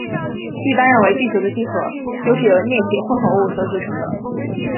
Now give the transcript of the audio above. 一般认为地球的地核就是由镍铁混合物所组成的。